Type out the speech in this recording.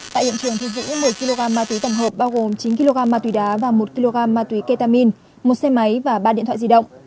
tại hiện trường thu giữ một kg ma túy tổng hợp bao gồm chín kg ma túy đá và một kg ma túy ketamin một xe máy và ba điện thoại di động